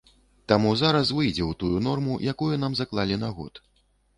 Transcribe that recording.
Таму зараз выйдзе ў тую норму, якую нам заклалі на год.